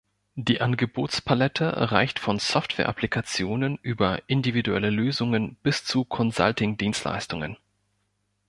Die Angebotspalette reicht von Software-Applikationen über individuelle Lösungen bis zu Consulting-Dienstleistungen.